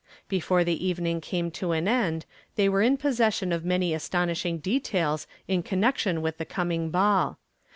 Before the evening came to an end they were in possession of many astonishing details in connection with the coming ball.